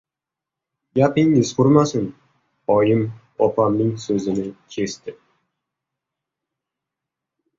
— Gapingiz qurmasin, — oyim opamning so‘zini kesdi.